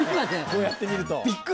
こうやって見ると。